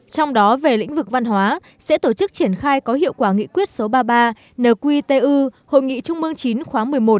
trong đó về lĩnh vực văn hóa sẽ tổ chức triển khai có hiệu quả nghị quyết số ba mươi ba nqtu hội nghị trung mương chín khóa một mươi một